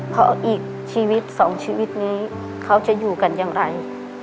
เพราะอีกชีวิตสองชีวิตนี้เขาจะอยู่กันอย่างไร